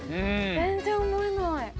全然思えない。